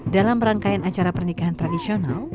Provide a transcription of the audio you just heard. dalam rangkaian acara pernikahan tradisional